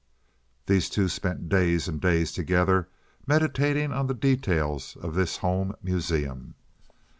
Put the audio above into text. These two spent days and days together meditating on the details of this home museum.